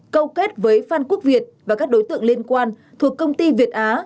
câu kết với phan quốc việt và các đối tượng liên quan thuộc công ty việt á